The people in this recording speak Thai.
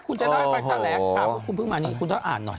คุณเจนเล่าให้ไปแถลกคุณเพิ่งมานี้คุณต้องอ่านหน่อย